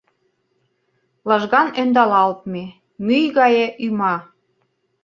Лыжган ӧндалалтме, мӱй гае ӱма!